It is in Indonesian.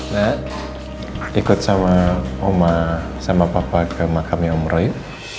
saya ikut sama oma sama papa ke makamnya om roy